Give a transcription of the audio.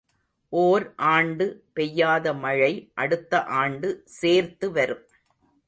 ஓர் ஆண்டு பெய்யாத மழை அடுத்த ஆண்டு சேர்த்து வரும்.